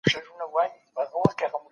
لوستې مور د ؛خوړو تازه والي ته پام کوي.